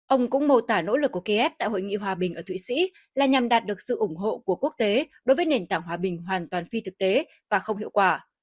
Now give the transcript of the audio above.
ông cũng mô tả nỗ lực của kiev tại hội nghị hòa bình ở thụy sĩ là nhằm đạt được sự ủng hộ của quốc tế đối với nền tảng hòa bình hoàn toàn phi thực tế và không hiệu quả